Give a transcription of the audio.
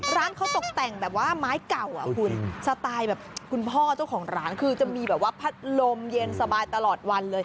ร้านเขาตกแต่งด้วยม้ายเก่าสไตล์คุณพ่อสวว์ของร้านคือจะมีภักดิ์ลมเย็นสบายตลอดวัน